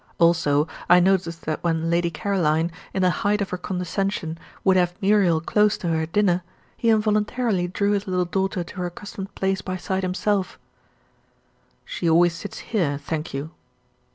Also I noticed that when Lady Caroline, in the height of her condescension, would have Muriel close to her at dinner, he involuntarily drew his little daughter to her accustomed place beside himself, "She always sits here, thank you."